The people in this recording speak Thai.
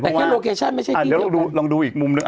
เพราะว่าอ่ะเดี๋ยวลองดูอีกมุมนึง